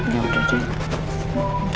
ya udah deh